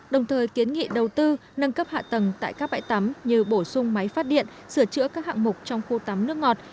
đồng thời kiến nghị đầu tư nâng cấp hạ tầng tại các bãi tắm như bổ sung máy phát điện sửa chữa các hạng mục trong khu tắm nước ngọt